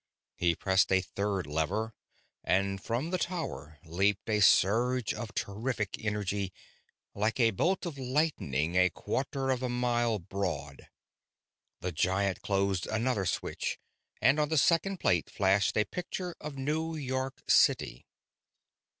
He pressed a third lever and from the tower leaped a surge of terrific energy, like a bolt of lightning a quarter of a mile broad. The giant closed another switch and on the second plate flashed a picture of New York City.